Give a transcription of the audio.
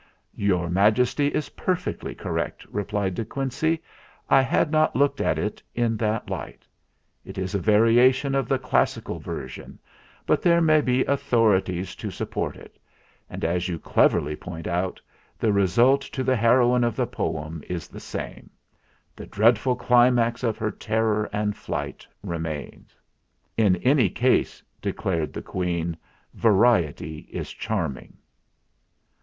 "Your Majesty is perfectly correct," replied De Quincey. "I had not looked at it in that light. It is a variation of the classical ver sion; but there may be authorities to support it. And, as you cleverly point out, the result to the heroine of the poem is the same. The 252 THE FLINT HEART dreadful climax of her terror and flight re mains." "In any case," declared the Queen, "variety is charming."